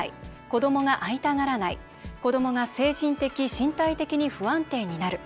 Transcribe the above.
「子どもが会いたがらない」「子どもが精神的・身体的に不安定になる」